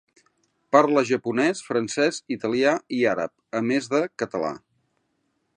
Parla japonès, francès, italià i àrab, a més de català.